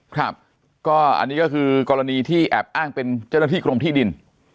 ครับก็อันนี้ก็คือกรณีที่แอบอ้างเป็นเจ้าหน้าที่กรมที่ดิน